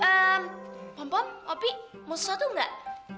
pom pom opie mau sesuatu enggak